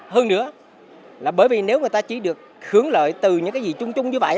hơn nữa là bởi vì nếu người ta chỉ được hưởng lợi từ những cái gì chung chung như vậy